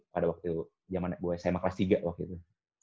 pada waktu jaman gue sma kelas tiga waktu itu